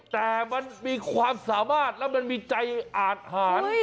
แต่มันมีความสามารถแล้วมันมีใจอาทหาร